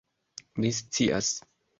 Ni scias!